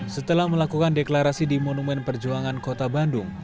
setelah melakukan deklarasi di monumen perjuangan kota bandung